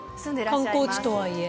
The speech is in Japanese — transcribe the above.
観光地とはいえ。